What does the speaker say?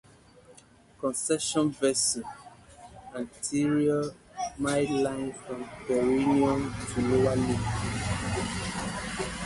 Conception vessel - anterior midline from perineum to lower lip.